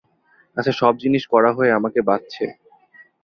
আজ সব জিনিস কড়া হয়ে আমাকে বাজছে।